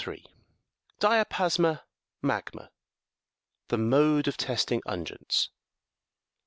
DIAPASMA, MAGMA ; THE MODE OF TESTING UNGUENTS.